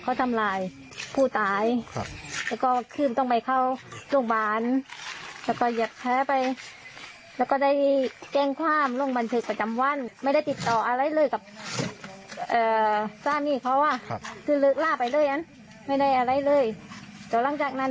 ค่ะคือเลิกล่าไปเลยอันไม่ได้อะไรเลยแต่หลังจากนั้น